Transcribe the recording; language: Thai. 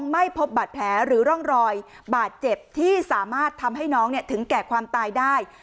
ไม่พบบาดแผลหรือร่องรอยบาดเจ็บที่สามารถทำให้น้องถึงแก่ความตายได้